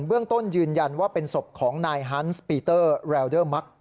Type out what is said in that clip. เรื่องต้นยืนยันว่าเป็นศพของนายฮันส์ปีเตอร์แลวเดอร์มัก